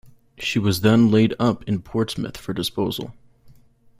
She was then laid up in Portsmouth for disposal.